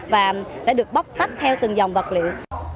và sẽ được bóc tách theo từng dòng vật liệu